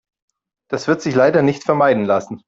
Das wird sich leider nicht vermeiden lassen.